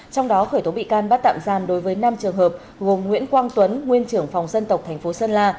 trong đó khởi tố bị can bắt tạm giam đối với năm trường hợp gồm nguyễn quang tuấn nguyên trưởng phòng dân tộc thành phố sơn la